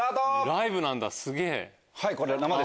ライブなんだすげぇ！